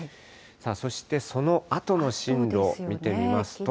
そしてそのあとの進路、見てみますと。